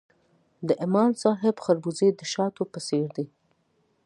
د امام صاحب خربوزې د شاتو په څیر دي.